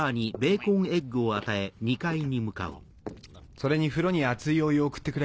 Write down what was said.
それに風呂に熱いお湯を送ってくれ。